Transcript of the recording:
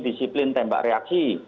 disiplin tembak reaksi